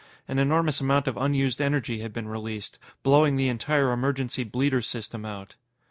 An enormous amount of unused energy had been released, blowing the entire emergency bleeder system out.